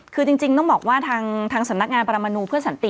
คือจริงต้องบอกว่าทางสำนักงานปรมนูเพื่อสันติ